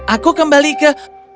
aku kembali ke